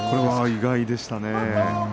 意外でしたね。